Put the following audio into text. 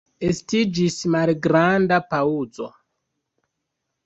Estiĝis malgranda paŭzo.